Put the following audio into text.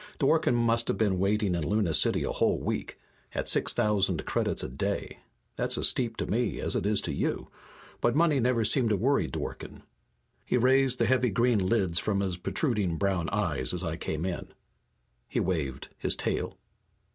Dworken must have been waiting in Luna City a whole week at six thousand credits a day. That's as steep to me as it is to you, but money never seemed to worry Dworken. He raised the heavy green lids from his protruding brown eyes as I came in. He waved his tail.